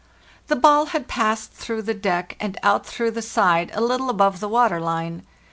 The ball had passed through the deck and out through the side a little above the water line.